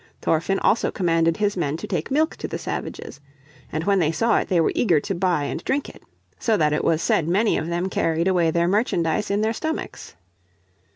Thorfinn also commanded his men to take milk to the savages. And when they saw it they were eager to buy and drink it. So that it was said many of them carried away their merchandise in their stomachs.